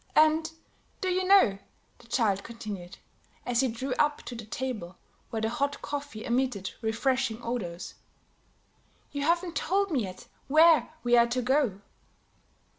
"And, do you know," the child continued, as he drew up to the table where the hot coffee emitted refreshing odors, "you haven't told me yet where we are to go."